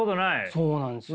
そうなんですよ